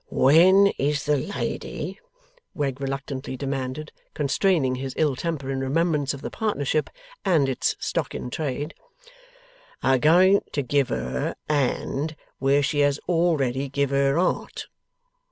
'When is the lady,' Wegg reluctantly demanded, constraining his ill temper in remembrance of the partnership and its stock in trade, 'a going to give her 'and where she has already given her 'art?